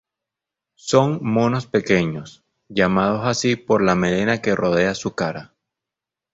Son monos pequeños, llamados así por la melena que rodea su cara.